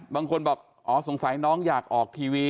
บางคนบอกอ๋อสงสัยน้องอยากออกทีวี